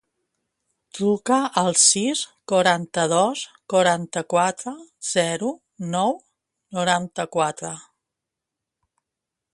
Truca al sis, quaranta-dos, quaranta-quatre, zero, nou, noranta-quatre.